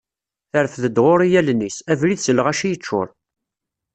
Terfed-d ɣur-i allen-is, abrid s lɣaci yeččur.